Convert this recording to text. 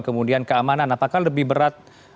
kemudian keamanan apakah lebih berat